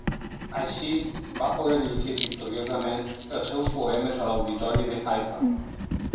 Així, va poder llegir victoriosament els seus poemes a l'auditori de Haifa.